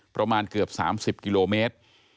ประมาณเกือบ๓๐กิโลเมตร